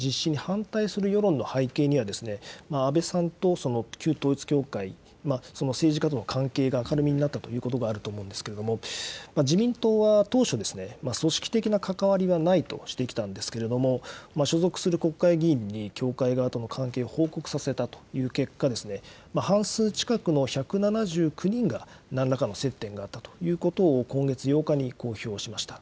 今回の国葬の実施に反対する世論の背景には、安倍さんと旧統一教会、その政治家との関係が明るみになったということがあると思うんですけれども、自民党は当初、組織的な関わりがないとしてきたんですけれども、所属する国会議員に教会側との関係を報告させたという結果ですね、半数近くの１７９人がなんらかの接点があったということを今月８日に公表しました。